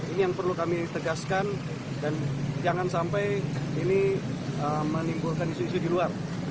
ini yang perlu kami tegaskan dan jangan sampai ini menimbulkan isu isu di luar